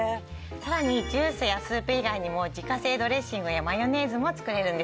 さらにジュースやスープ以外にも自家製ドレッシングやマヨネーズも作れるんです。